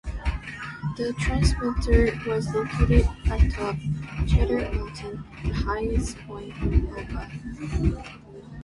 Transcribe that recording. The transmitter was located atop Cheaha Mountain, the highest point in Alabama.